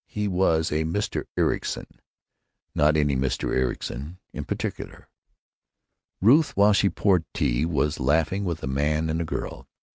He was a Mr. Ericson, not any Mr. Ericson in particular. Ruth, while she poured tea, was laughing with a man and a girl.